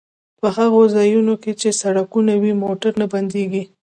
په هغو ځایونو کې چې سړکونه وي موټر نه بندیږي